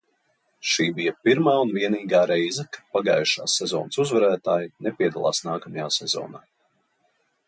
Šī bija pirmā un vienīgā reize, kad pagājušās sezonas uzvarētāja nepiedalās nākamajā sezonā.